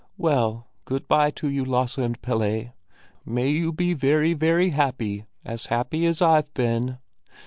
Well, good bye to you, Lasse and Pelle! May you be very, very happy, as happy as I've been.